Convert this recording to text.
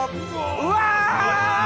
うわ！